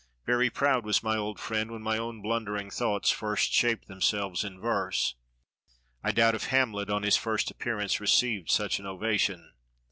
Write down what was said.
Very proud was my old friend when my own blundering thoughts first shaped themselves in verse; I doubt if Hamlet on his first appearance received such an ovation.